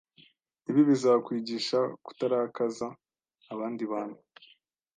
Ibi bizakwigisha kutarakaza abandi bantu.